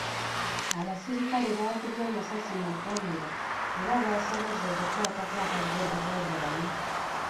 Abasirikale baakubye amasasi mu bbanga era baasobodde okukwatako aba boda boda bana.